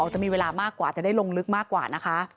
จะมีเวลามากกว่าจะได้ลงลึกมากกว่านะคะ